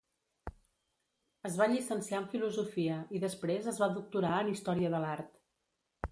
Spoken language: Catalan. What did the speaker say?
Es va llicenciar en filosofia i després es va doctorar en història de l’art.